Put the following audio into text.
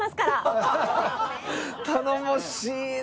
頼もしいな！